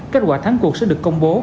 kết quả thắng cuộc sẽ được công bố